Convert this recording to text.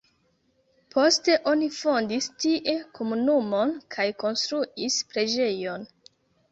Poste oni fondis tie komunumon kaj konstruis preĝejon.